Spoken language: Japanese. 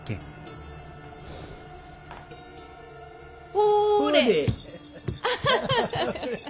ほれ。